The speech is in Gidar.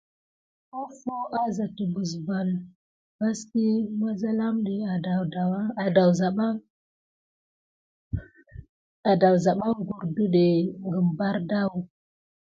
Hofo azà təɓəz vaski mizelamɗe adaou saback sikéte van maya cordu kum bardaou.